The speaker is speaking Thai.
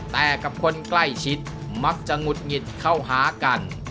แต่กับคนใกล้ชิดมักจะหงุดหงิดเข้าหากัน